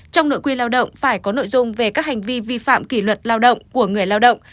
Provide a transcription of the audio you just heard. trong nội quy lao động phải có nội dung về các hành vi vi phạm kỷ luật lao động của người lao động